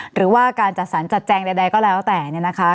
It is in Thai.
หรือว่าการจัดสรรจัดแจงใดก็แล้วแต่เนี่ยนะคะ